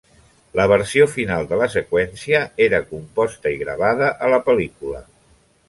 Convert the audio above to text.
La versió final de la seqüència era composta i gravada a la pel·lícula.